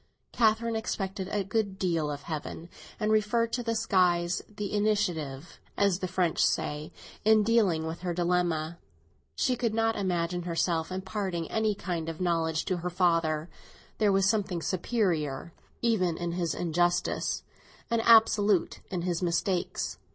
Catherine expected a good deal of Heaven, and referred to the skies the initiative, as the French say, in dealing with her dilemma. She could not imagine herself imparting any kind of knowledge to her father, there was something superior even in his injustice and absolute in his mistakes.